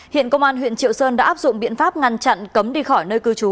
hiện công an huyện triệu sơn đã áp dụng biện pháp ngăn chặn cấm đi khỏi nơi cư trú